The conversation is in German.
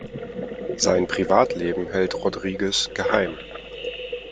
Sein Privatleben hält Rodriguez geheim.